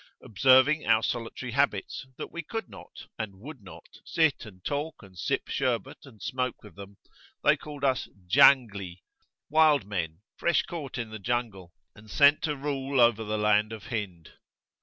Observing our solitary habits, that we could not, and would not, sit and talk and sip sherbet and smoke with them, they called us "Jangli" wild men, fresh caught in the jungle and sent to rule over the land of Hind.